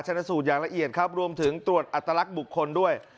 ชนะสูตรอย่างละเอียดครับรวมถึงตรวจอัตลักษณ์บุคคลด้วย